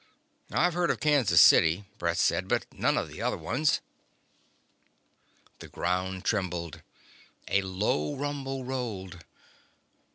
"I've heard of Kansas City," Brett said, "but none of the other ones." The ground trembled. A low rumble rolled.